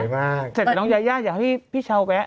ถ้าเกิดเสร็จแบบน้องยายาเดี๋ยวให้พี่เชาแวะ